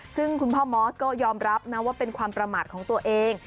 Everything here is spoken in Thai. ซึ่งคุณพ่อมอสก็ยอมรับนะว่าเป็นความประมาทของตัวเอง